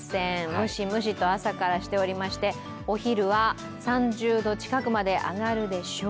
ムシムシと朝からしておりましてお昼は３０度近くまで上がるでしょう。